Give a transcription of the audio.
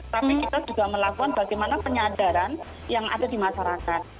tapi kita juga melakukan bagaimana penyadaran yang ada di masyarakat